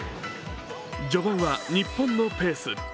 序盤は日本のペース。